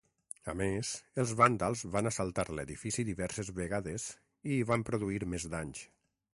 A més, els vàndals van assaltar l'edifici diverses vegades i hi van produir més danys.